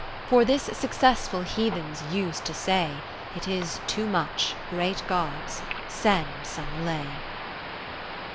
For this successful heathens use[d?] to say, It is too much, (great Gods) send some allay.